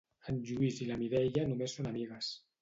En Lluís i la Mireia només són amigues.